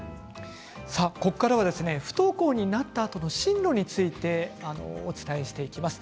ここからは不登校になったあとの進路についてお伝えしていきます。